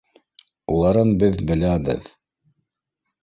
Уларын беҙ беләбеҙ